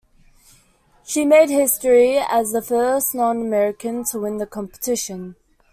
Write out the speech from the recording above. She made history as the first non-American to win the competition.